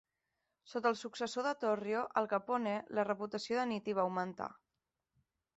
Sota el successor de Torrio, Al Capone, la reputació de Nitti va augmentar.